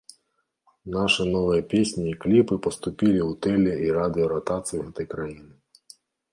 Нашы новыя песні і кліпы паступілі ў тэле- і радыёратацыю гэтай краіны.